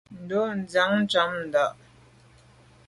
Ndo ndia nnjam ndà.